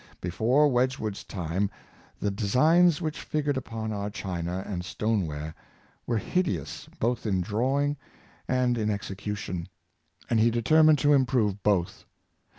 Before Wedgwood's time the designs which figured upon our china and stoneware were hideous both in drawing and 344 Fldxman's Marriao;e. ^3 execution, and he determined to improve both.